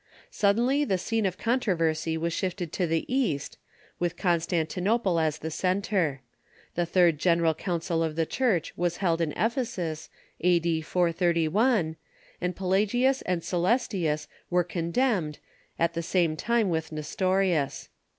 Suddenly the scene of controversy was shifted to the East, with Constantinople as the centre. The third general council of the Church was held in Ephesus, a.d. 431, and Pelagius and Coelestius were con demned, at the same time with Nestorius.